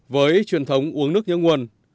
với truyền thống uống nước nhớ nguồn